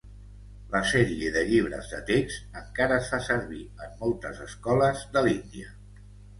La sèrie de llibres de text encara es fa servir en moltes escoles de l'Índia.